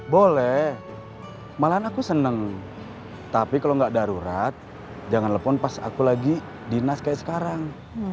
boleh malahan aku seneng tapi kalau nggak darurat jangan lepon pas aku lagi dinas kayak sekarang